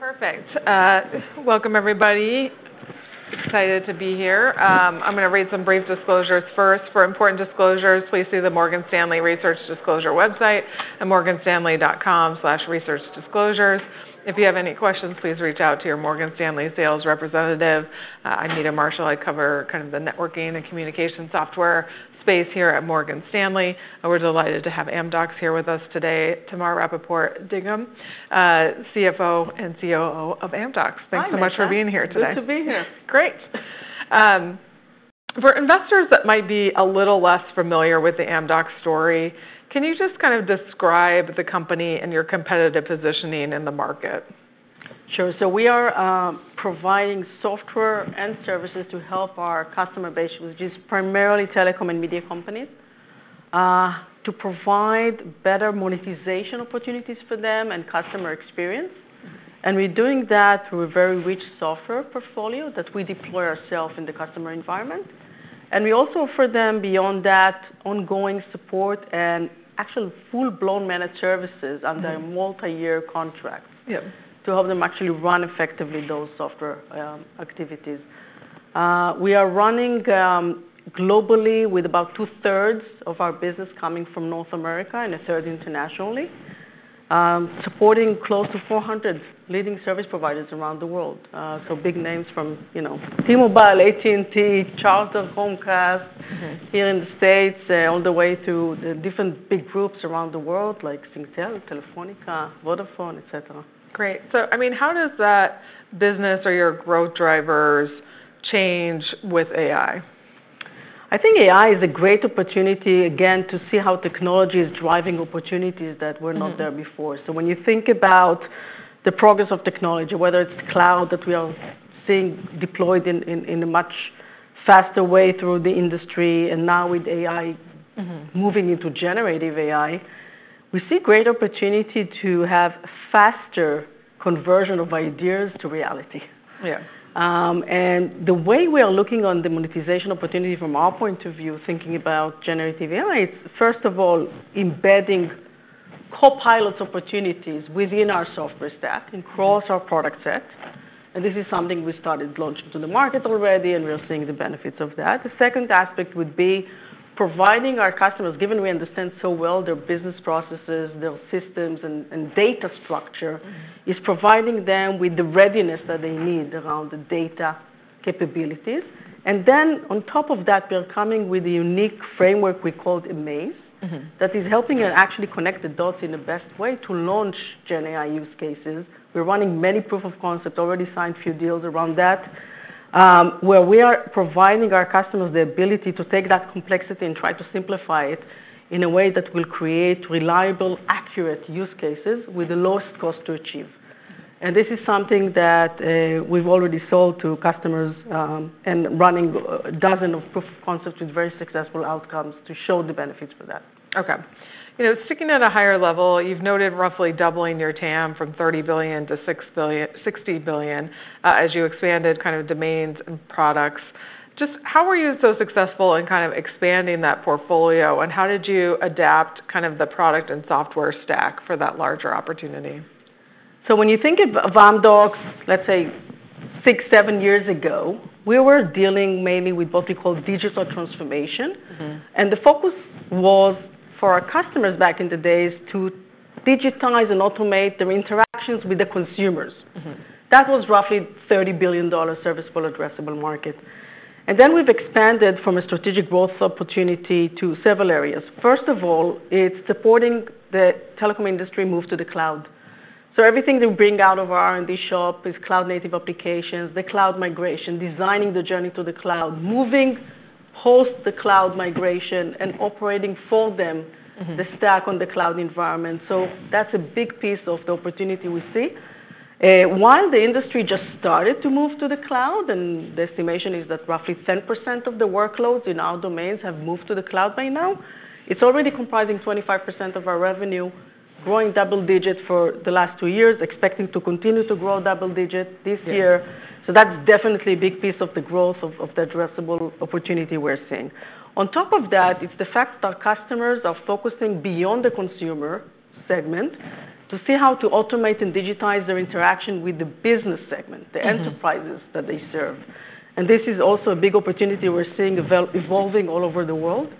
All right. Perfect. Welcome, everybody. Excited to be here. I'm going to read some brief disclosures first. For important disclosures, please see the Morgan Stanley Research Disclosure website, at morganstanley.com/researchdisclosures. If you have any questions, please reach out to your Morgan Stanley sales representative. I'm Meta Marshall. I cover kind of the networking and communication software space here at Morgan Stanley. We're delighted to have Amdocs here with us today, Tamar Rapaport-Dagim, CFO and COO of Amdocs. Thanks so much for being here today. Nice to be here. Great. For investors that might be a little less familiar with the Amdocs story, can you just kind of describe the company and your competitive positioning in the market? Sure. So we are providing software and services to help our customer base, which is primarily telecom and media companies, to provide better monetization opportunities for them and customer experience. And we're doing that through a very rich software portfolio that we deploy ourselves in the customer environment. And we also offer them, beyond that, ongoing support and actually full-blown managed services under multi-year contracts to help them actually run effectively those software activities. We are running globally with about two-thirds of our business coming from North America and a third internationally, supporting close to 400 leading service providers around the world. So big names from T-Mobile, AT&T, Charter, Comcast here in the States, all the way to the different big groups around the world, like Singtel, Telefónica, Vodafone, et cetera. Great. So, I mean, how does that business or your growth drivers change with AI? I think AI is a great opportunity, again, to see how technology is driving opportunities that were not there before, so when you think about the progress of technology, whether it's cloud that we are seeing deployed in a much faster way through the industry, and now with AI moving into generative AI, we see great opportunity to have faster conversion of ideas to reality, and the way we are looking on the monetization opportunity from our point of view, thinking about generative AI, it's, first of all, embedding copilot opportunities within our software stack and across our product set, and this is something we started launching to the market already, and we're seeing the benefits of that. The second aspect would be providing our customers, given we understand so well their business processes, their systems, and data structure, is providing them with the readiness that they need around the data capabilities. And then, on top of that, we are coming with a unique framework we called amAIz that is helping you actually connect the dots in the best way to launch Gen AI use cases. We're running many proof of concepts, already signed a few deals around that, where we are providing our customers the ability to take that complexity and try to simplify it in a way that will create reliable, accurate use cases with the lowest cost to achieve. And this is something that we've already sold to customers and running a dozen of proof of concepts with very successful outcomes to show the benefits for that. Okay. Sticking at a higher level, you've noted roughly doubling your TAM from $30 billion to $60 billion as you expanded kind of domains and products. Just how were you so successful in kind of expanding that portfolio, and how did you adapt kind of the product and software stack for that larger opportunity? When you think of Amdocs, let's say six, seven years ago, we were dealing mainly with what we call digital transformation. And the focus was, for our customers back in the days, to digitize and automate their interactions with the consumers. That was roughly $30 billion serviceable addressable market. And then we've expanded from a strategic growth opportunity to several areas. First of all, it's supporting the telecom industry move to the cloud. So everything they bring out of our R&D shop is cloud-native applications, the cloud migration, designing the journey to the cloud, moving post the cloud migration, and operating for them the stack on the cloud environment. So that's a big piece of the opportunity we see. While the industry just started to move to the cloud, and the estimation is that roughly 10% of the workloads in our domains have moved to the cloud by now, it's already comprising 25% of our revenue, growing double digits for the last two years, expecting to continue to grow double digits this year. So that's definitely a big piece of the growth of the addressable opportunity we're seeing. On top of that, it's the fact that our customers are focusing beyond the consumer segment to see how to automate and digitize their interaction with the business segment, the enterprises that they serve. And this is also a big opportunity we're seeing evolving all over the world,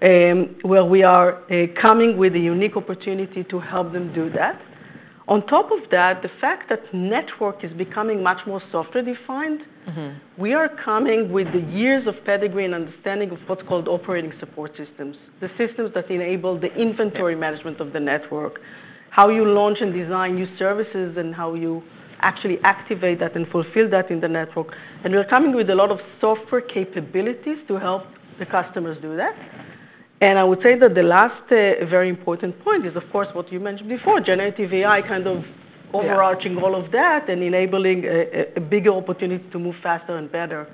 where we are coming with a unique opportunity to help them do that. On top of that, the fact that network is becoming much more software-defined, we are coming with the years of pedigree and understanding of what's called operations support systems, the systems that enable the inventory management of the network, how you launch and design new services, and how you actually activate that and fulfill that in the network. And we're coming with a lot of software capabilities to help the customers do that. And I would say that the last very important point is, of course, what you mentioned before, generative AI kind of overarching all of that and enabling a bigger opportunity to move faster and better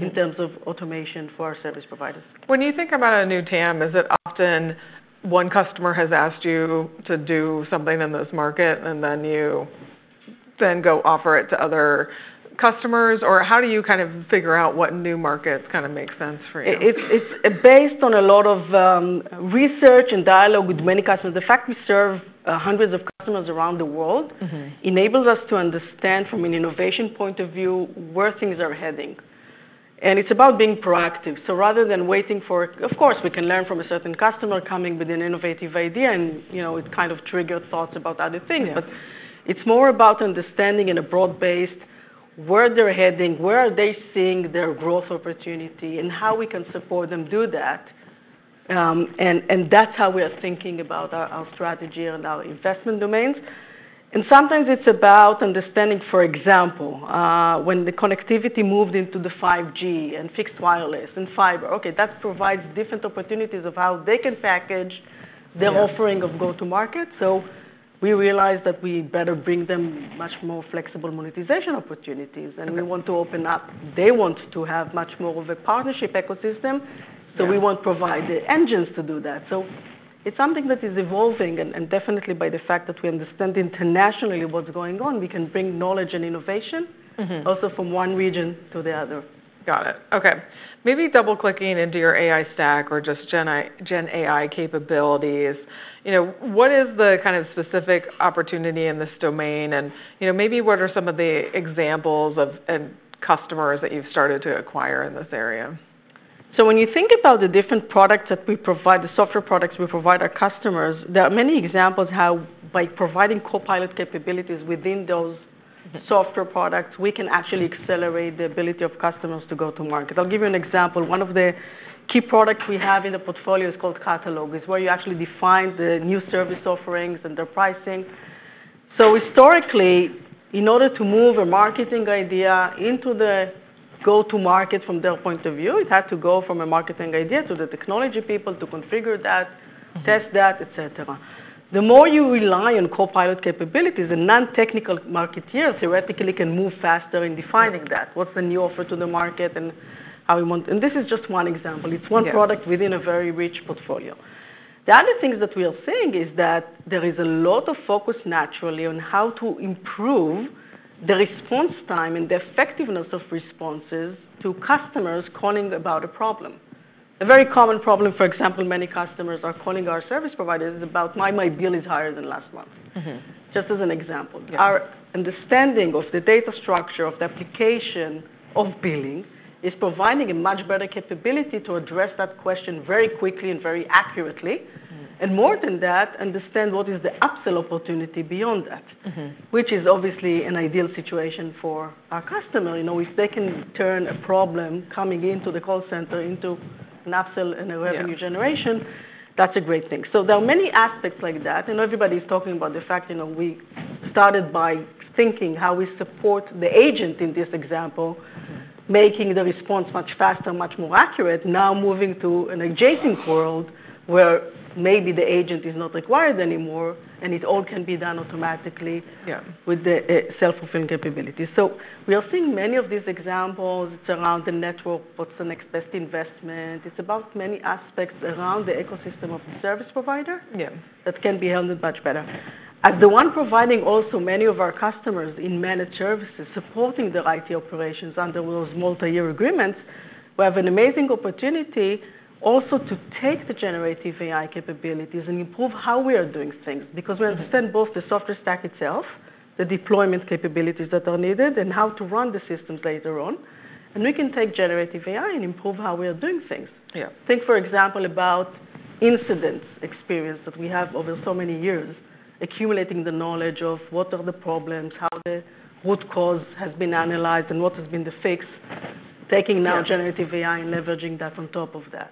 in terms of automation for our service providers. When you think about a new TAM, is it often one customer has asked you to do something in this market, and then you then go offer it to other customers? Or how do you kind of figure out what new markets kind of make sense for you? It's based on a lot of research and dialogue with many customers. The fact we serve hundreds of customers around the world enables us to understand, from an innovation point of view, where things are heading. And it's about being proactive. So rather than waiting for, of course, we can learn from a certain customer coming with an innovative idea, and it kind of triggered thoughts about other things. But it's more about understanding in a broad-based where they're heading, where are they seeing their growth opportunity, and how we can support them do that. And that's how we are thinking about our strategy and our investment domains. And sometimes it's about understanding, for example, when the connectivity moved into the 5G and fixed wireless and fiber, OK, that provides different opportunities of how they can package their offering of go-to-market. So we realized that we better bring them much more flexible monetization opportunities. And we want to open up. They want to have much more of a partnership ecosystem. So we want to provide the engines to do that. So it's something that is evolving. And definitely, by the fact that we understand internationally what's going on, we can bring knowledge and innovation also from one region to the other. Got it. OK. Maybe double-clicking into your AI stack or just Gen AI capabilities, what is the kind of specific opportunity in this domain? And maybe what are some of the examples of customers that you've started to acquire in this area? When you think about the different products that we provide, the software products we provide our customers, there are many examples how, by providing Copilot capabilities within those software products, we can actually accelerate the ability of customers to go to market. I'll give you an example. One of the key products we have in the portfolio is called Catalog, is where you actually define the new service offerings and their pricing. Historically, in order to move a marketing idea into the go-to-market from their point of view, it had to go from a marketing idea to the technology people to configure that, test that, et cetera. The more you rely on Copilot capabilities, a non-technical marketer theoretically can move faster in defining that, what's the new offer to the market and how we want. This is just one example. It's one product within a very rich portfolio. The other things that we are seeing is that there is a lot of focus naturally on how to improve the response time and the effectiveness of responses to customers calling about a problem. A very common problem, for example, many customers are calling our service providers about, why my bill is higher than last month, just as an example. Our understanding of the data structure of the application of billing is providing a much better capability to address that question very quickly and very accurately. And more than that, understand what is the upsell opportunity beyond that, which is obviously an ideal situation for our customer. If they can turn a problem coming into the call center into an upsell and a revenue generation, that's a great thing. So there are many aspects like that. And everybody's talking about the fact we started by thinking how we support the agent in this example, making the response much faster, much more accurate. Now moving to an adjacent world where maybe the agent is not required anymore, and it all can be done automatically with the self-fulfilling capability. So we are seeing many of these examples. It's around the network. What's the next best investment? It's about many aspects around the ecosystem of the service provider that can be handled much better. At the one, providing also many of our customers in managed services, supporting their IT operations under those multi-year agreements, we have an amazing opportunity also to take the generative AI capabilities and improve how we are doing things. Because we understand both the software stack itself, the deployment capabilities that are needed, and how to run the systems later on. And we can take generative AI and improve how we are doing things. Think, for example, about incident experience that we have over so many years, accumulating the knowledge of what are the problems, how the root cause has been analyzed, and what has been the fix, taking now generative AI and leveraging that on top of that.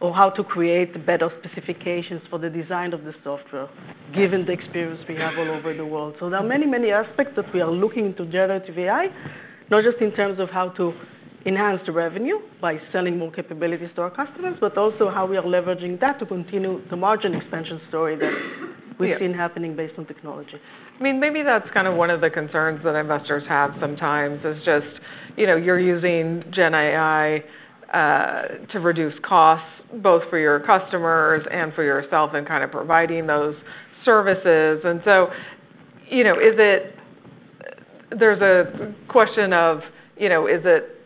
Or how to create better specifications for the design of the software, given the experience we have all over the world. So there are many, many aspects that we are looking into generative AI, not just in terms of how to enhance the revenue by selling more capabilities to our customers, but also how we are leveraging that to continue the margin expansion story that we've seen happening based on technology. I mean, maybe that's kind of one of the concerns that investors have sometimes, is just you're using Gen AI to reduce costs, both for your customers and for yourself, and kind of providing those services, and so there's a question of, is it,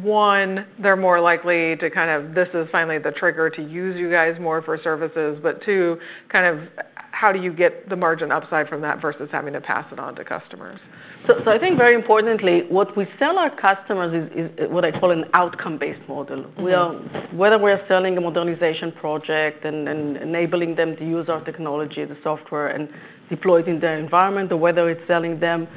one, they're more likely to kind of, this is finally the trigger to use you guys more for services, but two, kind of how do you get the margin upside from that versus having to pass it on to customers? So I think very importantly, what we sell our customers is what I call an outcome-based model. Whether we're selling a modernization project and enabling them to use our technology, the software, and deploy it in their environment, or whether it's selling them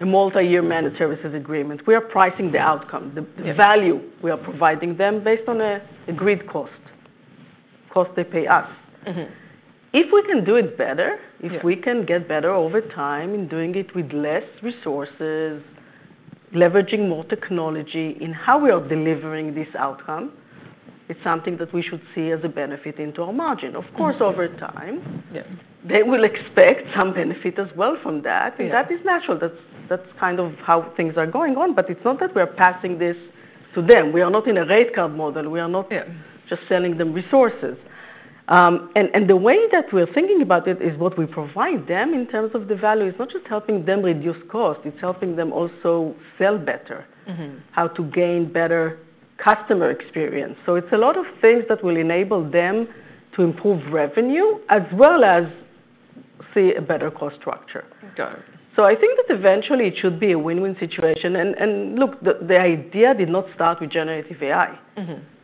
a multi-year managed services agreement, we are pricing the outcome, the value we are providing them based on an agreed cost, cost they pay us. If we can do it better, if we can get better over time in doing it with less resources, leveraging more technology in how we are delivering this outcome, it's something that we should see as a benefit into our margin. Of course, over time, they will expect some benefit as well from that. And that is natural. That's kind of how things are going on. But it's not that we are passing this to them. We are not in a rate card model. We are not just selling them resources. And the way that we're thinking about it is what we provide them in terms of the value. It's not just helping them reduce cost. It's helping them also sell better, how to gain better customer experience. So it's a lot of things that will enable them to improve revenue, as well as see a better cost structure. So I think that eventually it should be a win-win situation. And look, the idea did not start with generative AI.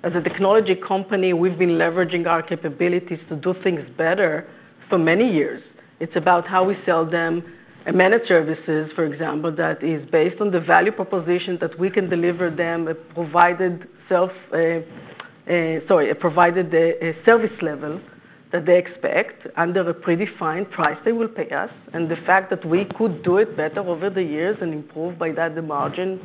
As a technology company, we've been leveraging our capabilities to do things better for many years. It's about how we sell them a managed services, for example, that is based on the value proposition that we can deliver them a provided service level that they expect under a predefined price they will pay us. And the fact that we could do it better over the years and improve by that the margin,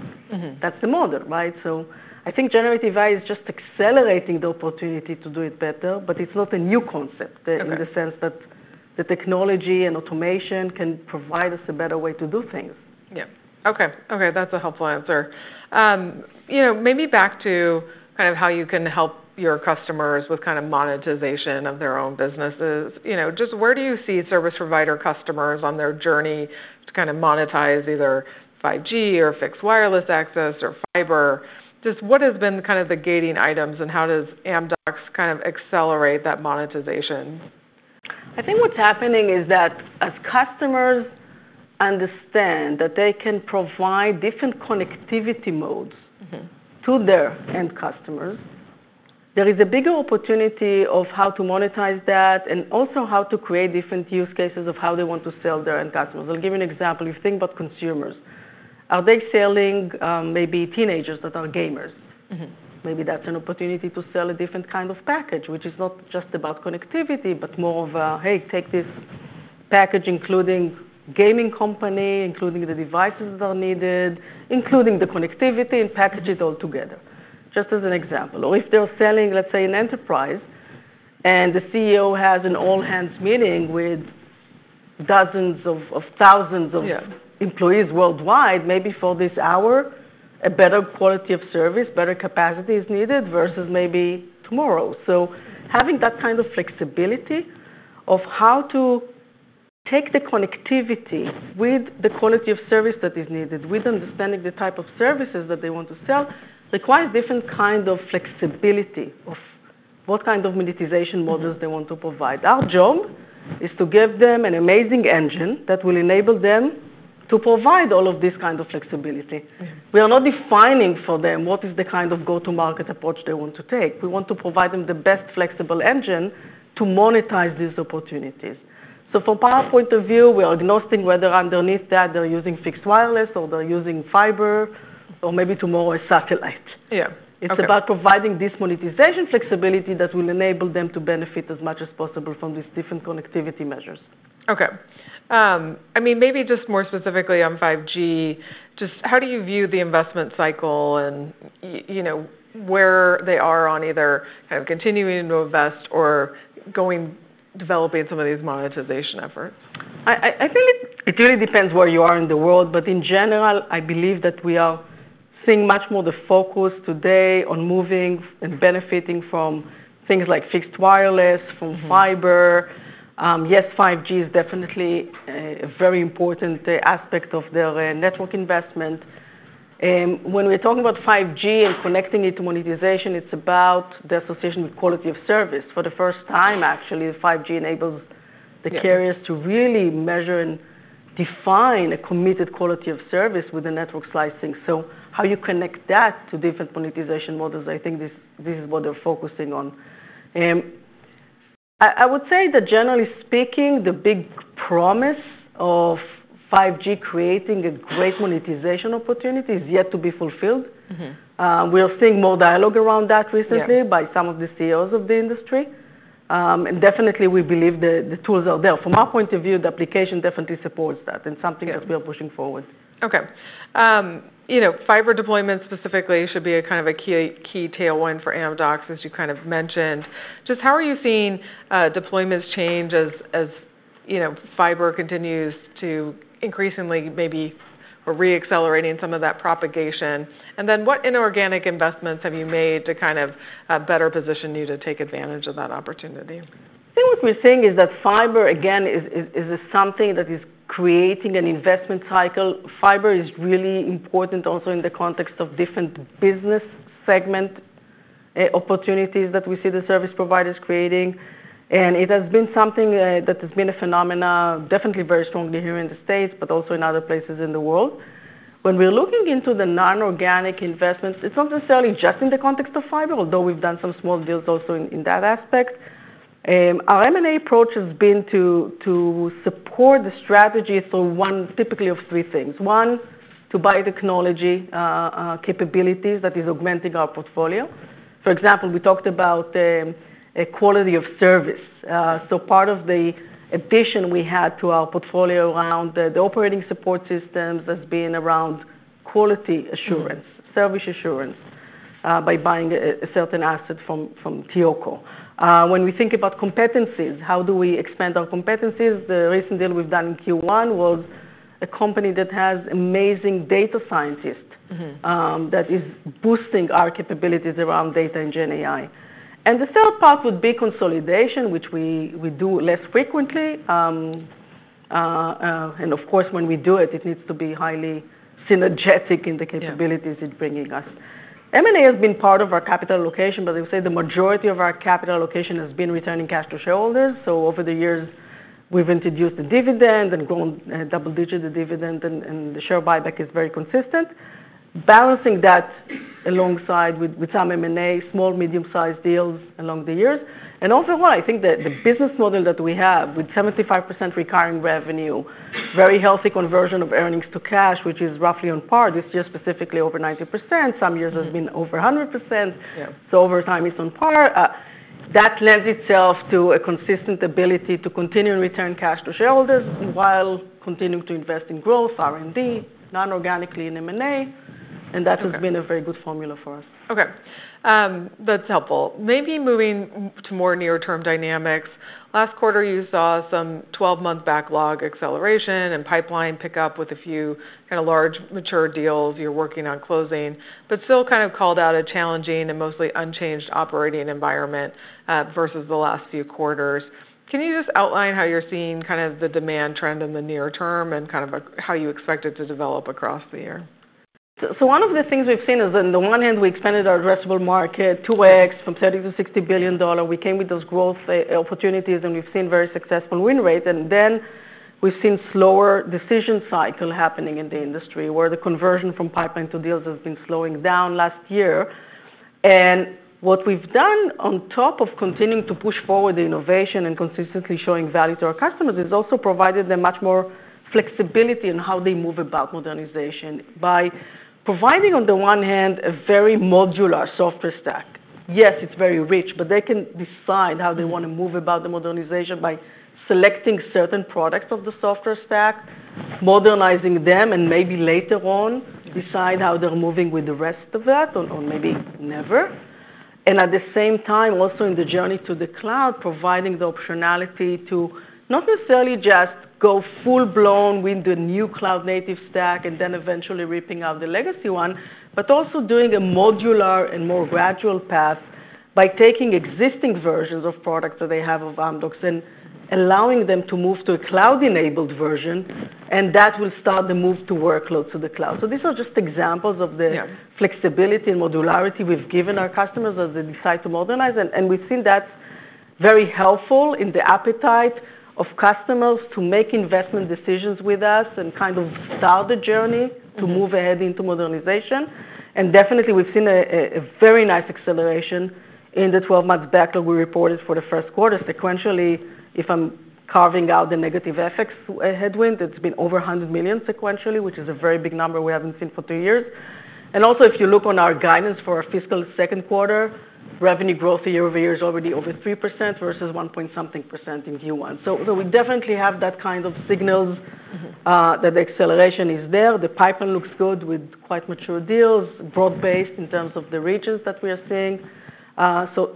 that's the model, right? So I think generative AI is just accelerating the opportunity to do it better. But it's not a new concept in the sense that the technology and automation can provide us a better way to do things. Yeah. OK. OK, that's a helpful answer. Maybe back to kind of how you can help your customers with kind of monetization of their own businesses. Just where do you see service provider customers on their journey to kind of monetize either 5G or fixed wireless access or fiber? Just what has been kind of the gating items, and how does Amdocs kind of accelerate that monetization? I think what's happening is that as customers understand that they can provide different connectivity modes to their end customers, there is a bigger opportunity of how to monetize that and also how to create different use cases of how they want to sell their end customers. I'll give you an example. You think about consumers. Are they selling maybe teenagers that are gamers? Maybe that's an opportunity to sell a different kind of package, which is not just about connectivity, but more of a, hey, take this package, including gaming company, including the devices that are needed, including the connectivity and package it all together, just as an example. Or if they're selling, let's say, an enterprise, and the CEO has an all-hands meeting with dozens of thousands of employees worldwide, maybe for this hour, a better quality of service, better capacity is needed versus maybe tomorrow. Having that kind of flexibility of how to take the connectivity with the quality of service that is needed, with understanding the type of services that they want to sell, requires different kind of flexibility of what kind of monetization models they want to provide. Our job is to give them an amazing engine that will enable them to provide all of this kind of flexibility. We are not defining for them what is the kind of go-to-market approach they want to take. We want to provide them the best flexible engine to monetize these opportunities. From our point of view, we are agnostic whether underneath that they're using fixed wireless, or they're using fiber, or maybe tomorrow a satellite. It's about providing this monetization flexibility that will enable them to benefit as much as possible from these different connectivity measures. OK. I mean, maybe just more specifically on 5G, just how do you view the investment cycle and where they are on either kind of continuing to invest or developing some of these monetization efforts? I think it really depends where you are in the world, but in general, I believe that we are seeing much more the focus today on moving and benefiting from things like fixed wireless, from fiber. Yes, 5G is definitely a very important aspect of their network investment. When we're talking about 5G and connecting it to monetization, it's about the association with quality of service. For the first time, actually, 5G enables the carriers to really measure and define a committed quality of service with the network slicing, so how you connect that to different monetization models, I think this is what they're focusing on. I would say that generally speaking, the big promise of 5G creating a great monetization opportunity is yet to be fulfilled. We are seeing more dialogue around that recently by some of the CEOs of the industry. Definitely, we believe the tools are there. From our point of view, the application definitely supports that and something that we are pushing forward. OK. Fiber deployment specifically should be a kind of a key tailwind for Amdocs, as you kind of mentioned. Just how are you seeing deployments change as fiber continues to increasingly maybe re-accelerating some of that propagation? And then what inorganic investments have you made to kind of better position you to take advantage of that opportunity? I think what we're seeing is that fiber, again, is something that is creating an investment cycle. Fiber is really important also in the context of different business segment opportunities that we see the service providers creating. And it has been something that has been a phenomenon, definitely very strongly here in the States, but also in other places in the world. When we're looking into the non-organic investments, it's not necessarily just in the context of fiber, although we've done some small deals also in that aspect. Our M&A approach has been to support the strategy through one, typically of three things. One, to buy technology capabilities that is augmenting our portfolio. For example, we talked about quality of service. So part of the addition we had to our portfolio around the operating support systems has been around quality assurance, service assurance, by buying a certain asset from TEOCO. When we think about competencies, how do we expand our competencies? The recent deal we've done in Q1 was a company that has amazing data scientists that is boosting our capabilities around data and Gen AI, and the third part would be consolidation, which we do less frequently. Of course, when we do it, it needs to be highly synergistic in the capabilities it's bringing us. M&A has been part of our capital allocation, but I would say the majority of our capital allocation has been returning cash to shareholders. Over the years, we've introduced a dividend and grown double-digit the dividend, and the share buyback is very consistent, balancing that alongside with some M&A, small, medium-sized deals along the years. And overall, I think that the business model that we have with 75% recurring revenue, very healthy conversion of earnings to cash, which is roughly on par, this year specifically over 90%. Some years has been over 100%. So over time, it's on par. That lends itself to a consistent ability to continue and return cash to shareholders while continuing to invest in growth, R&D, non-organically in M&A. And that has been a very good formula for us. OK. That's helpful. Maybe moving to more near-term dynamics. Last quarter, you saw some 12-month backlog acceleration and pipeline pickup with a few kind of large mature deals you're working on closing, but still kind of called out a challenging and mostly unchanged operating environment versus the last few quarters. Can you just outline how you're seeing kind of the demand trend in the near term and kind of how you expect it to develop across the year? So one of the things we've seen is that on the one hand, we expanded our addressable market 2x, from $30 billion-$60 billion. We came with those growth opportunities, and we've seen very successful win rates. And then we've seen slower decision cycle happening in the industry, where the conversion from pipeline to deals has been slowing down last year. And what we've done, on top of continuing to push forward the innovation and consistently showing value to our customers, is also provided them much more flexibility in how they move about modernization by providing, on the one hand, a very modular software stack. Yes, it's very rich, but they can decide how they want to move about the modernization by selecting certain products of the software stack, modernizing them, and maybe later on decide how they're moving with the rest of that, or maybe never. And at the same time, also in the journey to the cloud, providing the optionality to not necessarily just go full-blown with the new cloud-native stack and then eventually ripping out the legacy one, but also doing a modular and more gradual path by taking existing versions of products that they have of Amdocs and allowing them to move to a cloud-enabled version. And that will start the move to workloads to the cloud. So these are just examples of the flexibility and modularity we've given our customers as they decide to modernize. And we've seen that's very helpful in the appetite of customers to make investment decisions with us and kind of start the journey to move ahead into modernization. And definitely, we've seen a very nice acceleration in the 12-month backlog we reported for the first quarter. Sequentially, if I'm carving out the negative effects headwind, it's been over $100 million sequentially, which is a very big number we haven't seen for two years. And also, if you look on our guidance for our fiscal second quarter, revenue growth year over year is already over 3% versus 1 point something % in Q1. So we definitely have that kind of signals that the acceleration is there. The pipeline looks good with quite mature deals, broad-based in terms of the regions that we are seeing.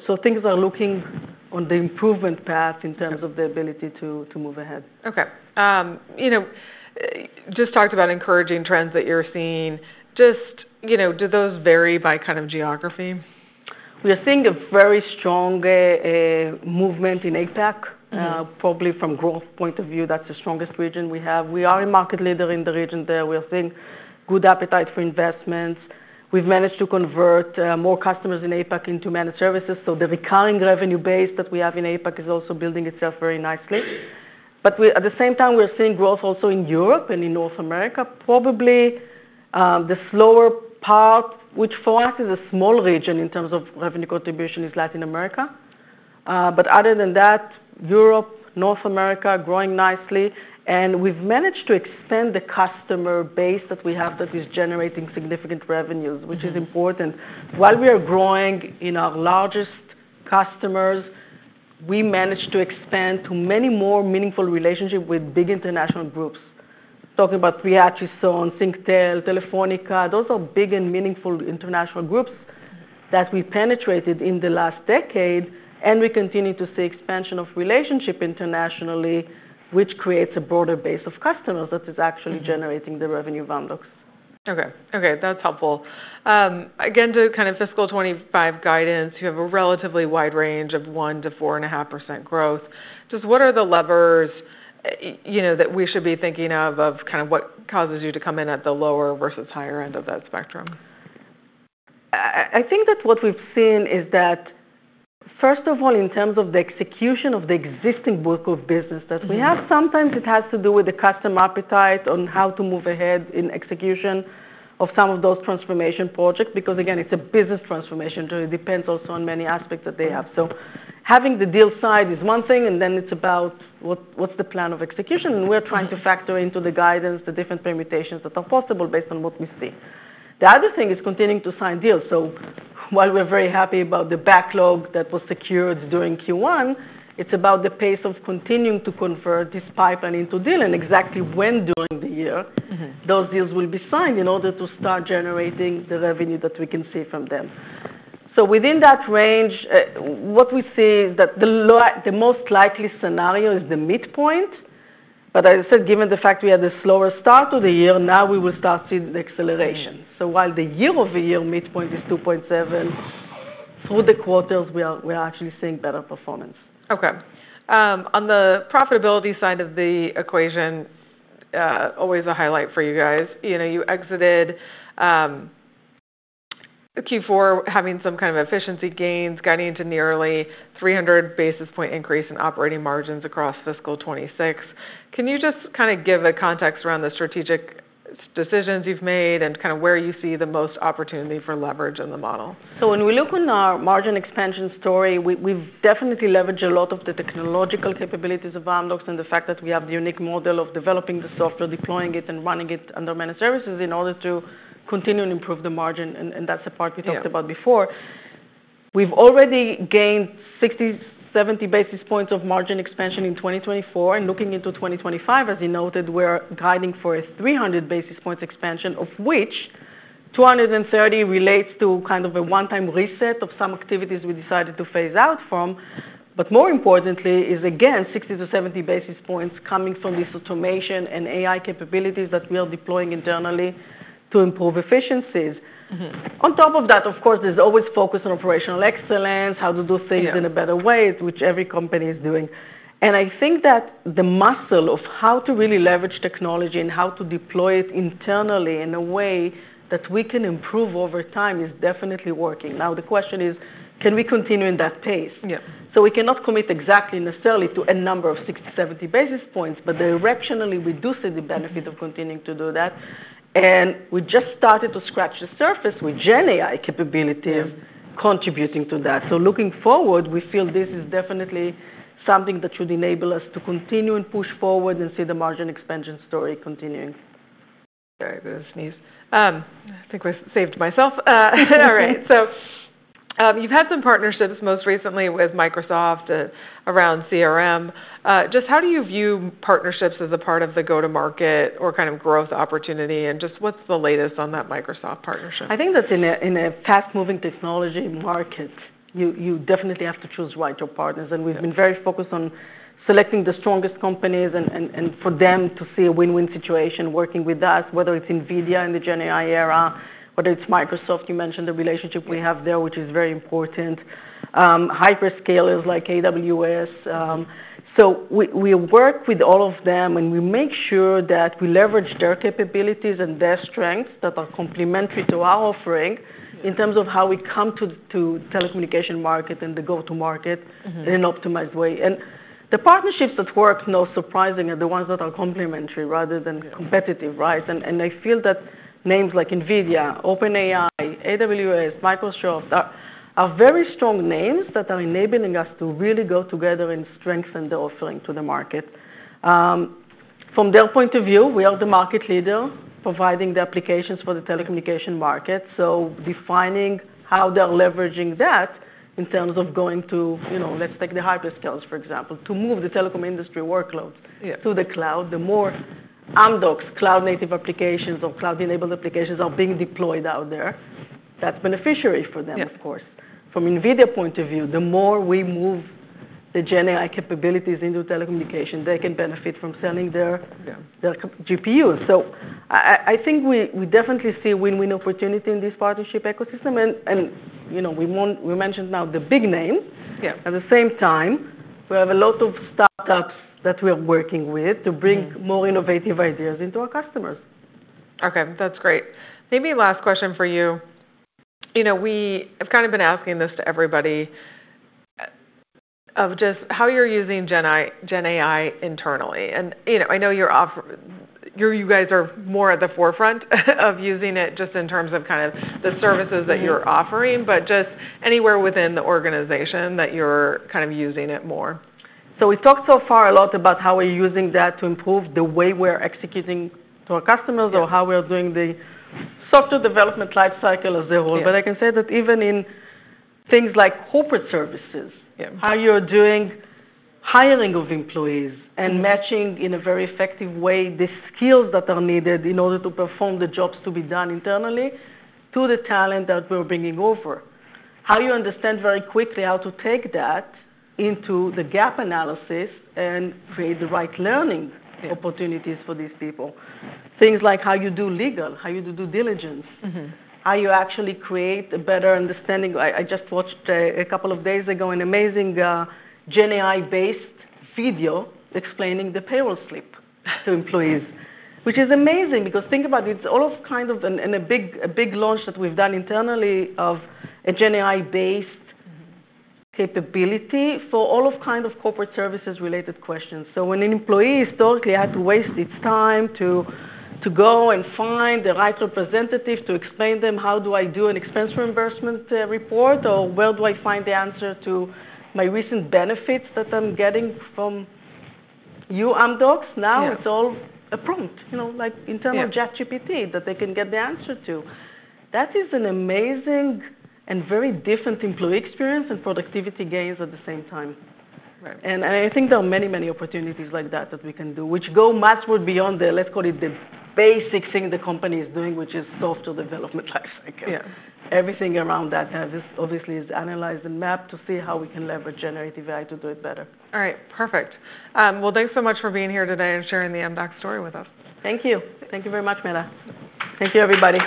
So things are looking on the improvement path in terms of the ability to move ahead. OK. Just talked about encouraging trends that you're seeing. Just do those vary by kind of geography? We are seeing a very strong movement in APAC. Probably from growth point of view, that's the strongest region we have. We are a market leader in the region there. We are seeing good appetite for investments. We've managed to convert more customers in APAC into managed services. So the recurring revenue base that we have in APAC is also building itself very nicely. But at the same time, we are seeing growth also in Europe and in North America. Probably the slower part, which for us is a small region in terms of revenue contribution, is Latin America. But other than that, Europe, North America are growing nicely. And we've managed to expand the customer base that we have that is generating significant revenues, which is important. While we are growing in our largest customers, we managed to expand to many more meaningful relationships with big international groups. Talking about Hutchison, Singtel, Telefónica, those are big and meaningful international groups that we penetrated in the last decade. And we continue to see expansion of relationship internationally, which creates a broader base of customers that is actually generating the revenue of Amdocs. OK. That's helpful. Again, to kind of fiscal 2025 guidance, you have a relatively wide range of 1%-4.5% growth. Just what are the levers that we should be thinking of kind of what causes you to come in at the lower versus higher end of that spectrum? I think that what we've seen is that, first of all, in terms of the execution of the existing book of business that we have, sometimes it has to do with the customer appetite on how to move ahead in execution of some of those transformation projects. Because again, it's a business transformation. It depends also on many aspects that they have. So having the deal side is one thing. And then it's about what's the plan of execution. And we're trying to factor into the guidance the different permutations that are possible based on what we see. The other thing is continuing to sign deals. So while we're very happy about the backlog that was secured during Q1, it's about the pace of continuing to convert this pipeline into deal and exactly when during the year those deals will be signed in order to start generating the revenue that we can see from them. So within that range, what we see is that the most likely scenario is the midpoint. But as I said, given the fact we had the slower start to the year, now we will start seeing the acceleration. So while the year-over-year midpoint is 2.7, through the quarters, we are actually seeing better performance. OK. On the profitability side of the equation, always a highlight for you guys. You exited Q4, having some kind of efficiency gains, guiding to nearly 300 basis point increase in operating margins across fiscal 2026. Can you just kind of give a context around the strategic decisions you've made and kind of where you see the most opportunity for leverage in the model? So when we look on our margin expansion story, we've definitely leveraged a lot of the technological capabilities of Amdocs and the fact that we have the unique model of developing the software, deploying it, and running it under managed services in order to continue and improve the margin. And that's the part we talked about before. We've already gained 60-70 basis points of margin expansion in 2024. And looking into 2025, as you noted, we're guiding for a 300 basis points expansion, of which 230 relates to kind of a one-time reset of some activities we decided to phase out from. But more importantly is, again, 60-70 basis points coming from this automation and AI capabilities that we are deploying internally to improve efficiencies. On top of that, of course, there's always focus on operational excellence, how to do things in a better way, which every company is doing, and I think that the muscle of how to really leverage technology and how to deploy it internally in a way that we can improve over time is definitely working. Now, the question is, can we continue in that pace? So we cannot commit exactly necessarily to a number of 60-70 basis points, but directionally, we do see the benefit of continuing to do that, and we just started to scratch the surface with Gen AI capabilities contributing to that, so looking forward, we feel this is definitely something that should enable us to continue and push forward and see the margin expansion story continuing. Very good, thanks. I think I saved myself. All right. So you've had some partnerships most recently with Microsoft around CRM. Just how do you view partnerships as a part of the go-to-market or kind of growth opportunity? And just what's the latest on that Microsoft partnership? I think that in a fast-moving technology market, you definitely have to choose your partners right. We've been very focused on selecting the strongest companies and for them to see a win-win situation working with us, whether it's Nvidia in the Gen AI era, whether it's Microsoft. You mentioned the relationship we have there, which is very important. Hyperscalers like AWS. We work with all of them. We make sure that we leverage their capabilities and their strengths that are complementary to our offering in terms of how we come to the telecommunication market and the go-to-market in an optimized way. The partnerships that work, unsurprisingly, are the ones that are complementary rather than competitive. I feel that names like Nvidia, OpenAI, AWS, Microsoft are very strong names that are enabling us to really go together and strengthen the offering to the market. From their point of view, we are the market leader providing the applications for the telecommunications market. So defining how they're leveraging that in terms of going to, let's take the hyperscalers, for example, to move the telecom industry workloads to the cloud, the more Amdocs cloud-native applications or cloud-enabled applications are being deployed out there. That's beneficial for them, of course. From Nvidia's point of view, the more we move the Gen AI capabilities into telecommunications, they can benefit from selling their GPUs. So I think we definitely see a win-win opportunity in this partnership ecosystem. And we mentioned now the big names. At the same time, we have a lot of startups that we are working with to bring more innovative ideas into our customers. OK. That's great. Maybe last question for you. We have kind of been asking this to everybody of just how you're using Gen AI internally. And I know you guys are more at the forefront of using it just in terms of kind of the services that you're offering, but just anywhere within the organization that you're kind of using it more. So we talked so far a lot about how we're using that to improve the way we're executing to our customers or how we're doing the software development lifecycle as a whole. But I can say that even in things like corporate services, how you're doing hiring of employees and matching in a very effective way the skills that are needed in order to perform the jobs to be done internally to the talent that we're bringing over, how you understand very quickly how to take that into the gap analysis and create the right learning opportunities for these people. Things like how you do legal, how you do due diligence, how you actually create a better understanding. I just watched a couple of days ago an amazing Gen AI-based video explaining the payroll slip to employees, which is amazing. Because think about it, it's all of kind of a big launch that we've done internally of a Gen AI-based capability for all of kind of corporate services-related questions. So when an employee historically had to waste its time to go and find the right representative to explain to them, how do I do an expense reimbursement report, or where do I find the answer to my recent benefits that I'm getting from you, Amdocs? Now it's all a prompt, like internal ChatGPT, that they can get the answer to. That is an amazing and very different employee experience and productivity gains at the same time, and I think there are many, many opportunities like that that we can do, which go much more beyond the, let's call it the basic thing the company is doing, which is software development lifecycle. Everything around that has obviously been analyzed and mapped to see how we can leverage generative AI to do it better. All right. Perfect. Well, thanks so much for being here today and sharing the Amdocs story with us. Thank you. Thank you very much, Meta. Thank you, everybody.